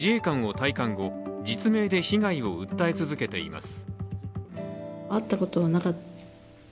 今年６月、自衛官を退官後実名で被害を訴え続けています。